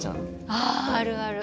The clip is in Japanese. ああるある。